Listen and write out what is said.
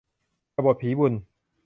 กบฏผีบุญ